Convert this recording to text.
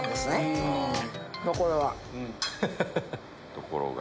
ところが。